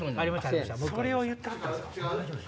それを言ってはったんすか。